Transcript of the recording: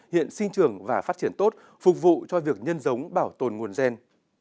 hiện sinh trường và phát triển tốt phục vụ cho việc nhân giống bảo tồn nguồn gen